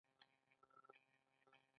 که خلک یې ونه مني نو مردود دی.